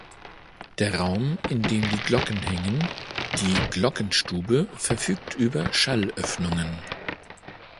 Der Raum, in dem die Glocken hängen, die Glockenstube, verfügt über Schallöffnungen.